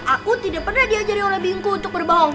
aku tidak pernah diajari orang bingungku untuk berbohong